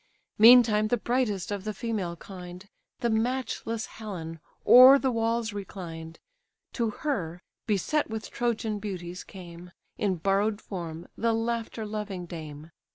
Meantime the brightest of the female kind, The matchless Helen, o'er the walls reclined; To her, beset with Trojan beauties, came, In borrow'd form, the laughter loving dame.